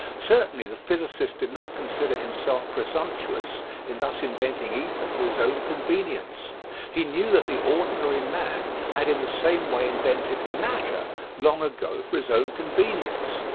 Cer tainly the physicist did not consider himself presump tuous in thus inventing ether for his own convenience. He knew that the ordinary man had in the same way invented " matter " long ago for his own convenience.